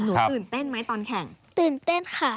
ตื่นเต้นไหมตอนแข่งตื่นเต้นค่ะ